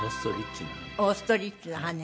オーストリッチの羽根。